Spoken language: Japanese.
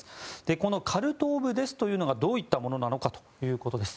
このカルト・オブ・デスというのがどういったものなのかということです。